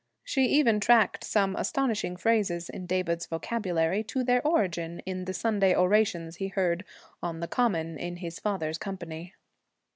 She even tracked some astonishing phrases in David's vocabulary to their origin in the Sunday orations he had heard on the Common, in his father's company.